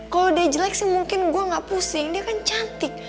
kalau dia jelek sih mungkin gue gak pusing dia kan cantik